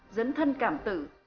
dẫn thân cảm tự